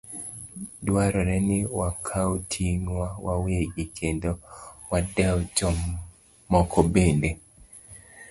Dwarore ni wakaw ting'wa wawegi, kendo wadew jomoko bende.